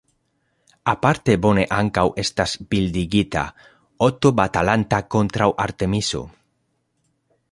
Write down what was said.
Aparte bone ankaŭ estas bildigita "Oto batalanta kontraŭ Artemiso".